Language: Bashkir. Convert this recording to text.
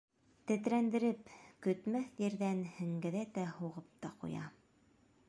Тетрәндереп, көтмәҫ ерҙән һеңгәҙәтә һуғып та ҡуя.